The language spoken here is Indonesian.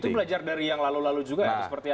itu belajar dari yang lalu lalu juga atau seperti apa